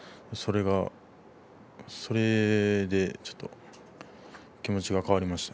それで気持ちが変わりました。